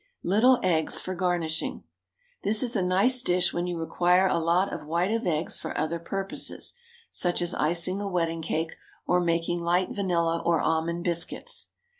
LITTLE EGGS FOR GARNISHING. This is a nice dish when you require a lot of white of eggs for other purposes, such as iceing a wedding cake, or making light vanilla or almond biscuits.